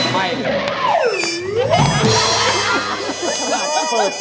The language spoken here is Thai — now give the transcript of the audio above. ไม่เลยครับ